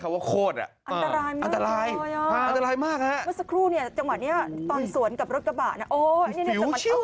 เมื่อสักครู่จังหวัดนี้ตอนสวนกับรถกระบาดอ๋อนี่สมัครต้อง